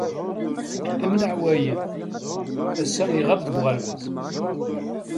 Am leɛwayed, ass-a iɣab deg uɣerbaz.